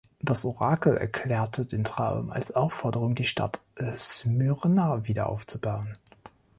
Das Orakel erklärte den Traum als Aufforderung, die Stadt Smyrna wieder aufzubauen.